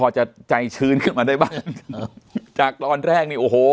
จากตอนแรก